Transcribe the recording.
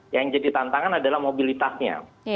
yang jadi tantangan adalah mobilitasnya